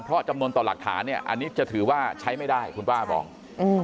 เพราะจำนวนต่อหลักฐานเนี่ยอันนี้จะถือว่าใช้ไม่ได้คุณป้าบอก